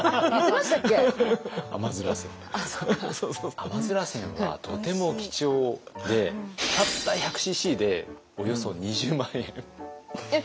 甘煎はとても貴重でたった１００ｃｃでおよそ２０万円。えっ！？